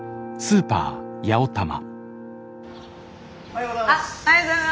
おはようございます。